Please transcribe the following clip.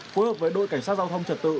phối hợp với đội cảnh sát giao thông trật tự